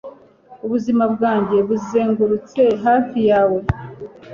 ubuzima bwanjye buzengurutse hafi yawe